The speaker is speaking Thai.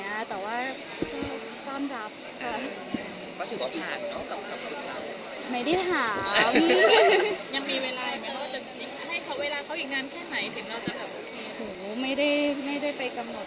ไม่ได้บอกว่าชอบไม่ชอบ